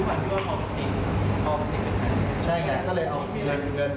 เกตนนานโคสเตคตอนที่ผมได้รับก็คือียับจ้องจ้องเสร็จนิดนึงเวลา